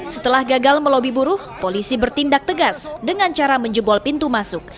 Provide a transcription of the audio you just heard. setelah gagal melobi buruh polisi bertindak tegas dengan cara menjebol pintu masuk